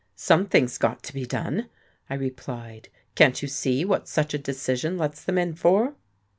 "Something's got to be done," I replied. "Can't you see what such a decision lets them in for?"